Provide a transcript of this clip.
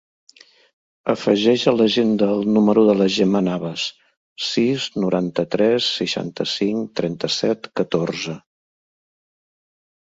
Afegeix a l'agenda el número de la Gemma Navas: sis, noranta-tres, seixanta-cinc, trenta-set, catorze.